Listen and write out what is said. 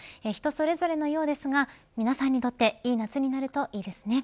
それぞれのようですが皆さんにとっていい夏になるといいですね。